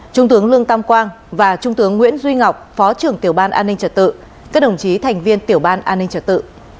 trung tướng lương tam quang và trung tướng nguyễn duy ngọc phó trưởng tiểu ban an ninh trật tự các đồng chí thành viên tiểu ban an ninh trật tự